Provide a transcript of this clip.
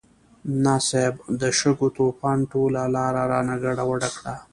نه صيب، د شګو طوفان ټوله لاره رانه ګډوډه کړه.